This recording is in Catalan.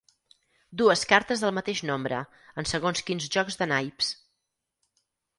Dues cartes del mateix nombre, en segons quins jocs de naips.